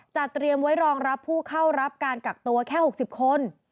เตรียมไว้รองรับผู้เข้ารับการกักตัวแค่๖๐คน